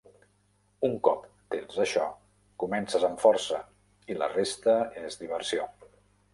Un cop tens això, comences amb força i la resta és diversió.